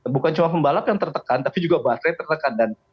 bukan cuma pembalap yang tertekan tapi juga baterai tertekan